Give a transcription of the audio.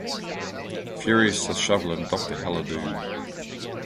Furious, the Shoveler, and Doctor Heller do.